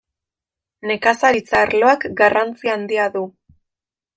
Nekazaritza arloak garrantzi handia du.